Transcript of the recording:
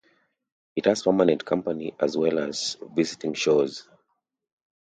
It has permanent company as well as visiting shows.